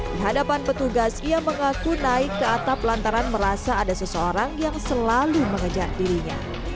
di hadapan petugas ia mengaku naik ke atap lantaran merasa ada seseorang yang selalu mengejar dirinya